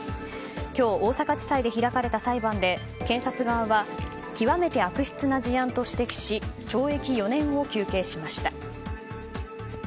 今日、大阪地裁で開かれた裁判で検察側は極めて悪質な事案と指摘し懲役４年を求刑しました。